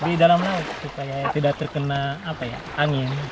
di dalam laut supaya tidak terkena angin